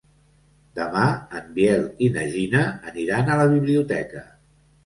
Demà en Biel i na Gina aniran a la biblioteca.